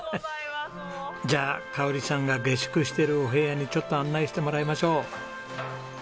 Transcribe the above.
じゃあ香さんが下宿してるお部屋にちょっと案内してもらいましょう。